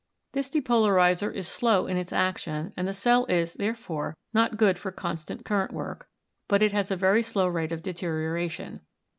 This depolarizer is slow in its action and the cell is, therefore, not good for constant current work, but it has a very slow rate of deterioration.